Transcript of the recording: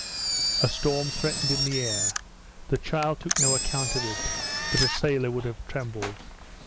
A storm threatened in the air; the child took no account of it, but a sailor would have trembled.